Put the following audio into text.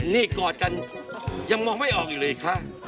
นี่กอดกันยังมองไม่ออกอยู่เลยค่ะ